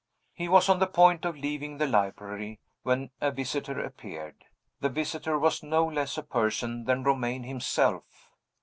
He was on the point of leaving the library, when a visitor appeared. The visitor was no less a person than Romayne himself.